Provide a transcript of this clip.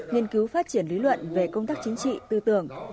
nghiên cứu phát triển lý luận về công tác chính trị tư tưởng